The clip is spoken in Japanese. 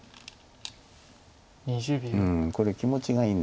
うんこれ気持ちがいいんです